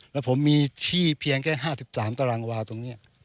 แล้วผมมีที่เพียงแค่๕๓ตารางวาตรงนี้